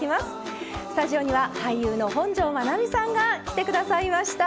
スタジオには俳優の本上まなみさんが来て下さいました。